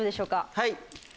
はい。